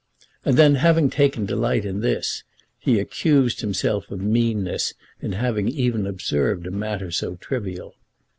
And then, having taken delight in this, he accused himself of meanness in having even observed a matter so trivial.